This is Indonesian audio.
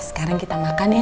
sekarang kita makan ya